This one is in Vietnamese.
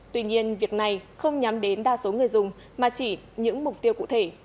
tuy nhiên việc này không nhắm đến đa số người dùng mà chỉ những mục tiêu cụ thể